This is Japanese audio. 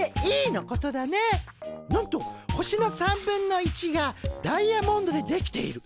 なんと星の３分の１がダイヤモンドで出来ている。